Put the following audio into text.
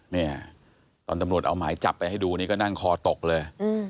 เนี่ยตอนตำรวจเอาหมายจับไปให้ดูนี่ก็นั่งคอตกเลย